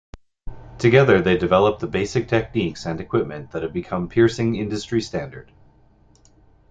Together they developed the basic techniques and equipment that have become piercing industry standard.